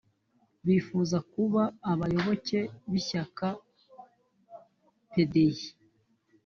bifuza kuba abayoboke b’ ishyaka pdi